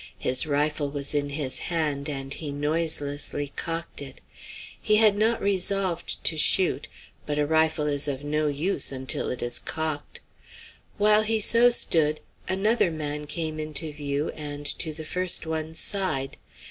His rifle was in his hand and he noiselessly cocked it. He had not resolved to shoot; but a rifle is of no use until it is cocked. While he so stood, another man came into view and to the first one's side.